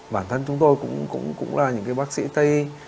bản thân chúng tôi cũng là những cái bác sĩ tây